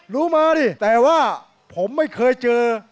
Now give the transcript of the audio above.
รู้มาดิแต่ว่าผมไม่เคยเจอ